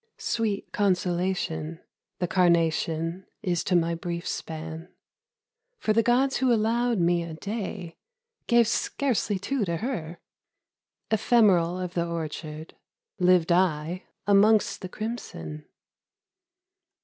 — Sweet consolation the Carnation Is to my brief span, For the gods who allowed me a day Gave scarcely two to her ; Ephemeral of the orchard Lived I, amongst the crimson.